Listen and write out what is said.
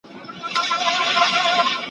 د تور سره او زرغون بیرغ کفن به راته جوړ کې .